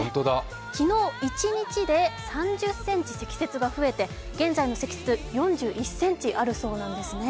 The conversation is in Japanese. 昨日一日で３０ｃｍ、積雪が増えて現在の積雪４１ｃｍあるそうなんですね。